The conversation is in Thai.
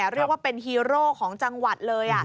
เรียกว่าเป็นฮีโร่ของจังหวัดเลย